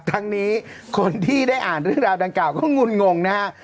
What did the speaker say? ทั้งนี้คนที่ได้อ่านเรื่องราวดังกล่าก็งุ่นงงนะฮะ